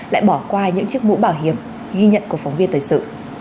lại bỏ qua những chiếc mũ bảo hiểm ghi nhận của phóng viên thời sự